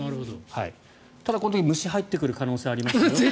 ただ、この時虫が入ってくる可能性がありますよと。